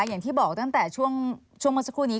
อย่างที่บอกตั้งแต่ช่วงเมื่อสักครู่นี้